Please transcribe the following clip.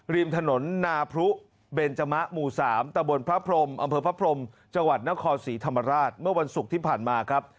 ริมถนนนาพรุเบนจมะหมู่๓ตะบนพระพรมอำเภอพระพรมจังหวัดนครศรีธรรมราชเมื่อวันศุกร์ที่ผ่านมาครับ